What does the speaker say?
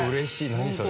何それ？」